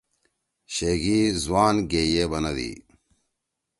شیگی زوان گِئی ئے بنَدی۔